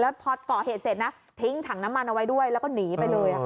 พอก่อเหตุเสร็จนะทิ้งถังน้ำมันเอาไว้ด้วยแล้วก็หนีไปเลย